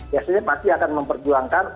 biasanya pasti akan memperjuangkan